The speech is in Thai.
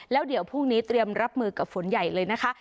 แล้วเดี๋ยวพรุ่งนี้เตรียมรับมือกับฝนใหญ่เลยนะคะ